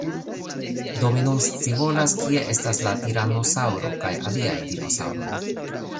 Do, mi nun scivolas, kie estas la tiranosaŭro kaj aliaj dinosaŭroj